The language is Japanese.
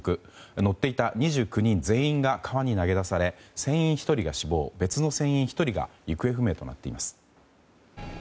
乗っていた２９人全員が川に投げ出され船員１人が死亡、別の船員１人が行方不明となっています。